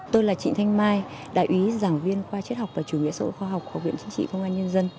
tôi là trịnh thanh mai đại úy giảng viên khoa chết học và chủ nghĩa xã hội khoa học học viện chính trị công an nhân dân